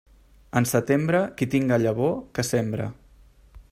En setembre, qui tinga llavor, que sembre.